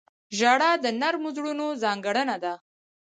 • ژړا د نرمو زړونو ځانګړنه ده.